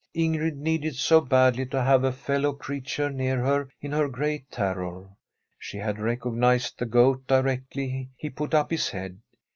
Ingrid needed so badly to have a fellow creature near her in her great terror. She had recognized the Goat directly he put up his head.